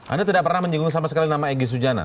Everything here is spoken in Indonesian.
anda tidak pernah menyinggung sama sekali nama egy sujana